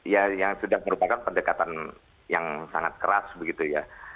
ya yang sudah merupakan pendekatan yang sangat keras begitu ya